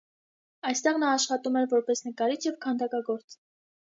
Այստեղ նա աշխատում էր որպես նկարիչ և քանդակագործ։